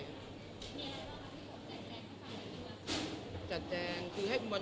พี่ไงบอกว่าที่ผมจะแจกแปลงกันดีกว่า